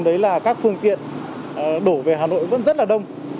đấy là các phương tiện đổ về hà nội vẫn rất là đông